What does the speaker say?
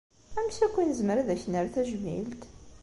Amek akk i nezmer ad ak-nerr tajmilt?